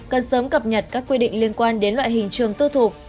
cần sớm cập nhật các quy định liên quan đến loại hình trường tư thục